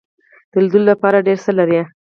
د لیدلو لپاره ډیر څه لري.